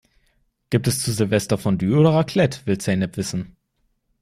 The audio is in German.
"Gibt es zu Silvester Fondue oder Raclette?", will Zeynep wissen.